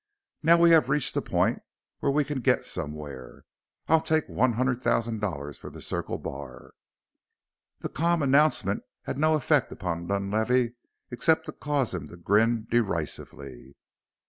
"Now we have reached a point where we can get somewhere. I'll take one hundred thousand dollars for the Circle Bar." The calm announcement had no effect upon Dunlavey except to cause him to grin derisively.